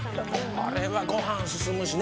これはご飯進むしね。